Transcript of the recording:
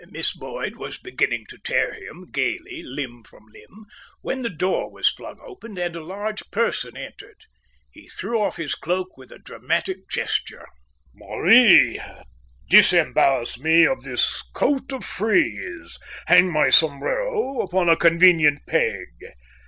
Miss Boyd was beginning to tear him gaily limb from limb, when the door was flung open, and a large person entered. He threw off his cloak with a dramatic gesture. "Marie, disembarrass me of this coat of frieze. Hang my sombrero upon a convenient peg."